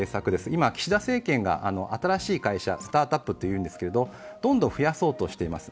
今、岸田政権が新しい会社、スタートアップと言うんですけど、どんどん増やそうとしています。